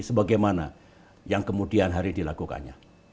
sebagaimana yang kemudian hari dilakukannya